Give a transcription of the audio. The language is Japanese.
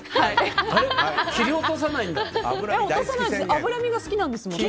脂身が好きなんですもん。